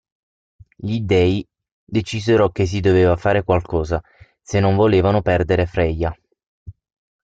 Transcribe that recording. Gli dèi decisero che si doveva fare qualcosa, se non volevano perdere Freyja.